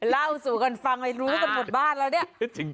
เล่าสู่กันฟังให้รู้กันหมดบ้านแล้วเนี่ย